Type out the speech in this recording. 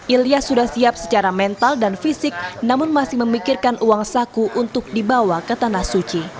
ilya sudah siap secara mental dan fisik namun masih memikirkan uang saku untuk dibawa ke tanah suci